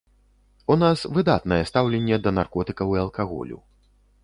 У нас выдатнае стаўленне да наркотыкаў і алкаголю.